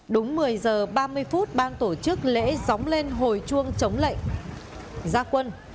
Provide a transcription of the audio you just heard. đúng một mươi h ba mươi phút ban tổ chức lễ dóng lên hồi chuông chống lệnh gia quân